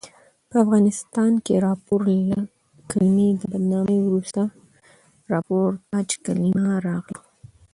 په افغانستان کښي راپور له کلمې د بدنامي وروسته راپورتاژ کلیمه راغله.